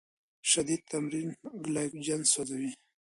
شدید تمرین ګلایکوجن سوځوي.